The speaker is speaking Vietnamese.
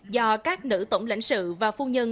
do các nữ tổng lãnh sự và phu nhân